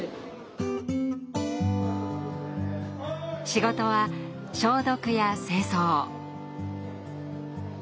仕事は消毒や清掃。